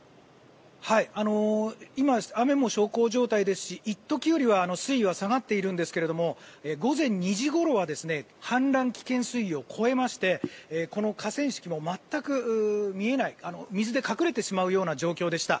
今、雨も小康状態ですし一時よりは水位は下がっているんですけども午前２時ごろは氾濫危険水位を超えましてこの河川敷も全く見えない水で隠れてしまうような状況でした。